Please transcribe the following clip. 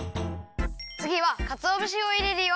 つぎはかつおぶしをいれるよ。